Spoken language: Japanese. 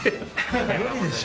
無理でしょ。